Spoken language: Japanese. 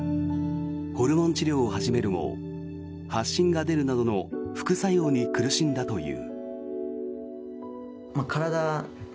ホルモン治療を始めるものの発疹が出るなどの副作用に苦しんだという。